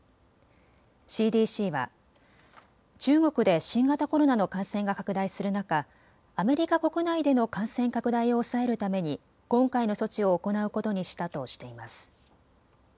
ＣＤＣは、中国で新型コロナの感染が拡大する中、アメリカ国内での感染拡大を抑えるために今回の措置を行うことにしたとしています。